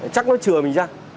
chắc nó trừa mình ra